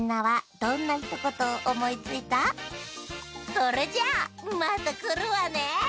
それじゃあまたくるわね。